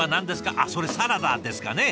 あっそれサラダですかね。